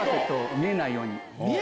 見えないように？